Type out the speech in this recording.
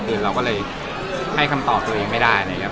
คือเราก็เลยให้คำตอบตัวเองไม่ได้นะครับ